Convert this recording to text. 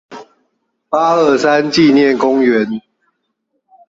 八二三紀念公園